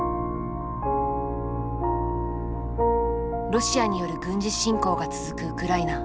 ロシアによる軍事侵攻が続くウクライナ。